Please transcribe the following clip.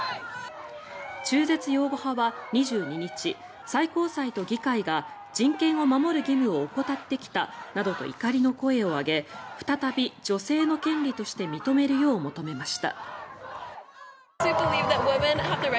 中絶擁護派は２２日最高裁と議会が人権を守る義務を怠ってきたなどと怒りの声を上げ再び女性の権利として認めるよう求めました。